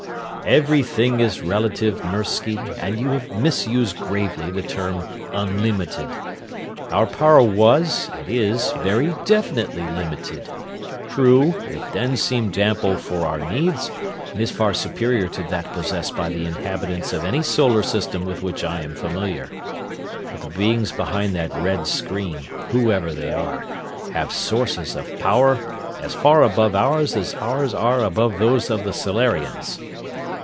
"Everything is relative, Mirsky, and you have misused gravely the term 'unlimited.' Our power was, and is, very definitely limited. True, it then seemed ample for our needs, and is far superior to that possessed by the inhabitants of any solar system with which I am familiar; but the beings behind that red screen, whoever they are, have sources of power as far above ours as ours are above those of the Solarians."